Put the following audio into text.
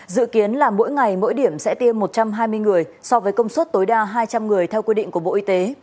dự kiến là mỗi ngày mỗi điểm sẽ tiêm một trăm hai mươi người so với công suất tối đa hai trăm linh người theo quy định của bộ y tế